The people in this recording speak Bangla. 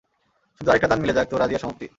শুধু আরেকটা দান মিলে যাক, তো রাজিয়ার সমাপ্তি।